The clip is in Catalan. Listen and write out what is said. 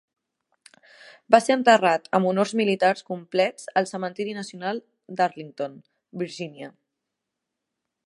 Va ser enterrat amb honors militars complets al cementiri nacional d'Arlington, Virgínia.